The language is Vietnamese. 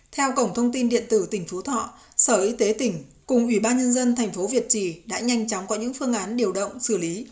theo cổng thông tin điện tử tỉnh phú thọ sở y tế tỉnh cùng ủy ban nhân dân thành phố việt trì đã nhanh chóng có những phương án điều động xử lý